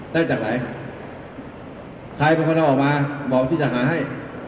ได้จากไหนใครบอกว่าจะออกมาบอกที่จะหาให้